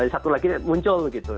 satu lagi muncul gitu